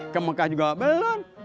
kemukah juga belum